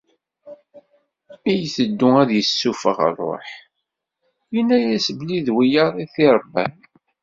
Mi iteddu ad yessufeɣ rruḥ, yenna-yas belli d wiyaḍ i t-iṛebban.